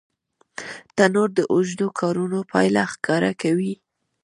تنور د اوږدو کارونو پایله ښکاره کوي